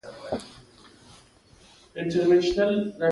واړه عشق دی چې يې سر راته ګياه کړ.